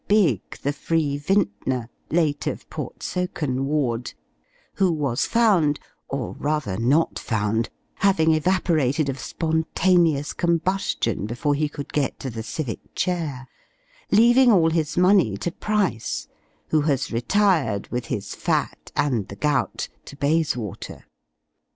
Big, the free vintner, late of Portsoken ward, who was found, or rather not found having evaporated of spontaneous combustion, before he could get to the civic chair, leaving all his money to Price; who has retired, with his fat and the gout, to Bayswater.